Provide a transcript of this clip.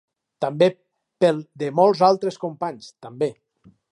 També pel de molts altres companys, també.